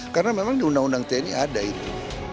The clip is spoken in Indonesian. karena memang di undang undang tni ada itu